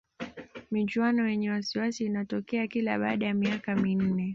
michuano yenye wasiwasi inatokea kila baada ya miaka minne